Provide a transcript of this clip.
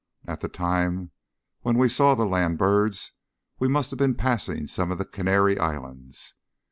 At the time when we saw the land birds we must have been passing some of the Canary Islands.